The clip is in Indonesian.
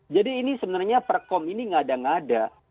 jadi ini sebenarnya perkom ini nggak ada nggada